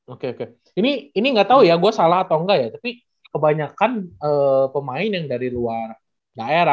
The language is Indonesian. oke oke ini nggak tahu ya gue salah atau enggak ya tapi kebanyakan pemain yang dari luar daerah